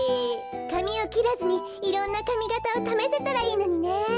かみをきらずにいろんなかみがたをためせたらいいのにね。